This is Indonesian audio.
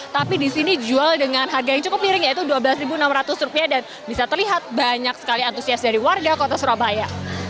tapi di sini jual dengan harga yang cukup miring yaitu rp dua belas enam ratus dan bisa terlihat banyak sekali antusias dari warga kota surabaya